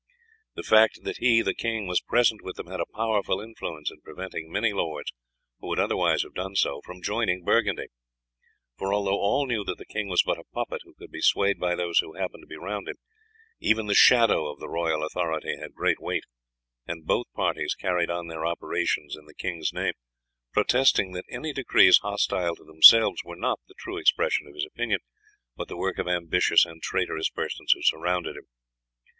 The fact that he was present with them had a powerful influence in preventing many lords who would otherwise have done so from joining Burgundy, for although all knew that the king was but a puppet who could be swayed by those who happened to be round him, even the shadow of the royal authority had great weight, and both parties carried on their operations in the king's name, protesting that any decrees hostile to themselves were not the true expression of his opinion, but the work of ambitious and traitorous persons who surrounded him.